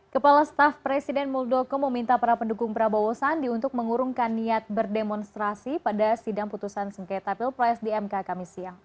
kepala staf presiden muldoko meminta para pendukung prabowo sandi untuk mengurungkan niat berdemonstrasi pada sidang putusan sengketa pilpres di mk kami siang